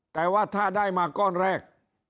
แต่ว่าถ้าได้มาก้อนแรก